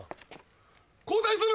交代する！